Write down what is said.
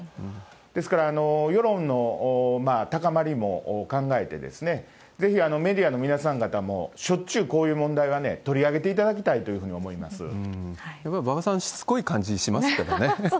ですから、世論の高まりも考えて、ぜひメディアの皆さん方も、しょっちゅうこういう問題がね、取り上げていただきたいというふやっぱり馬場さん、そうなんですかね。